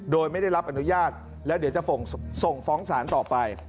โดยไม่ได้รับอนุญาตแล้วเดี๋ยวจะส่งฟ้องศาลต่อไป